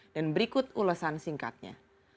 dan berikut ulasan singkatnya